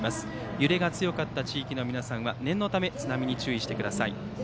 揺れが強かった地域の皆さんは念のため津波に注意してください。